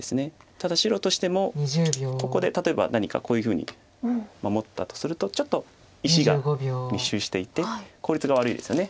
ただ白としてもここで例えば何かこういうふうに守ったとするとちょっと石が密集していて効率が悪いですよね。